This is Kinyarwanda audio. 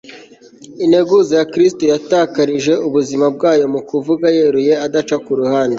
Integuza ya Kristo yatakarije ubuzima bwayo mu kuvuga yeruye adaca ku ruhande